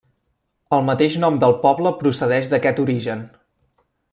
El mateix nom del poble procedeix d'aquest origen.